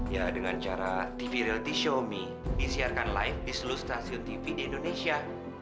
ya dengan cara tv reality show me disiarkan live di seluruh stasiun tv di indonesia